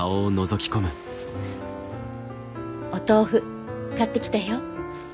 お豆腐買ってきたよ。